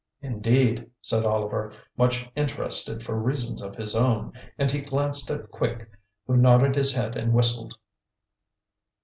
"Indeed," said Oliver, much interested for reasons of his own, and he glanced at Quick, who nodded his head and whistled.